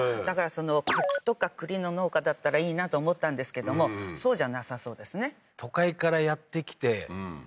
だから柿とか栗の農家だったらいいなと思ったんですけどもそうじゃなさそうですね都会からやって来て